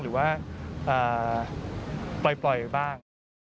หรือว่าปล่อยบ้าง